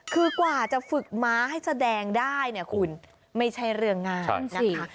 คือกว่าจะฝึกม้าให้แสดงได้เนี่ยคุณไม่ใช่เรื่องง่ายนะคะ